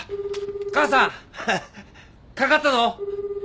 ☎母さんかかったぞ。